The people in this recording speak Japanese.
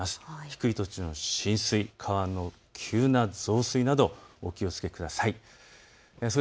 低い土地の浸水、川の急な増水などお気をつけください。